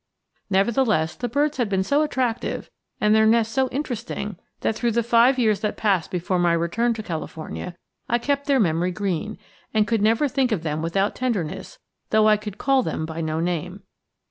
Nevertheless, the birds had been so attractive, and their nest so interesting, that through the five years that passed before my return to California I kept their memory green, and could never think of them without tenderness though I could call them by no name.